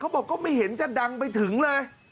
บอกก็ไม่เห็นจะดังไปถึงเลย